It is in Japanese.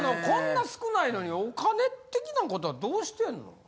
こんな少ないのにお金的なことはどうしてんの？